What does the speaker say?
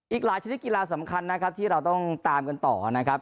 อีกหลายชนิดกีฬาสำคัญนะครับที่เราต้องตามกันต่อนะครับ